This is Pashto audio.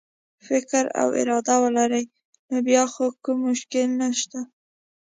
فکر او اراده ولري نو بیا خو کوم مشکل نشته.